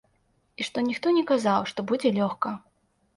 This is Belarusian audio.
І што ніхто не казаў, што будзе лёгка.